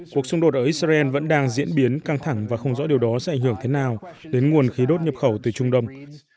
cuộc xung đột ở israel vẫn đang diễn biến căng thẳng và không rõ điều đó sẽ ảnh hưởng thế nào đến nguồn khí đốt nhập khẩu từ trung đông